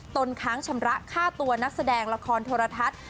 นค้างชำระค่าตัวนักแสดงละครโทรทัศน์